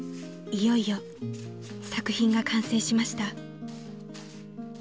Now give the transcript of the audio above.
いよいよ作品が完成しました］